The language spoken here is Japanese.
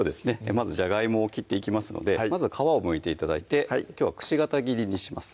まずじゃがいもを切っていきますのでまずは皮をむいて頂いてきょうはくし形切りにします